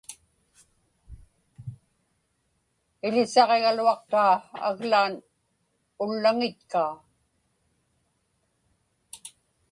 Iḷisaġigaluaqtaa aglaan ullaŋitkaa.